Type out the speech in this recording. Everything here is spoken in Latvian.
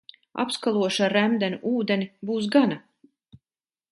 Apskalošu ar remdenu ūdeni, būs gana.